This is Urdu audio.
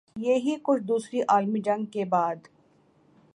یہی کچھ دوسری عالمی جنگ کے بعد